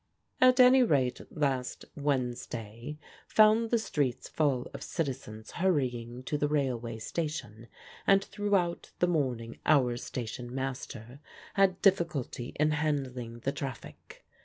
At any rate, last Wednesday found the streets full of citizens hurrying to the railway station, and throughout the morning our stationmaster had difficulty in handling the traffic.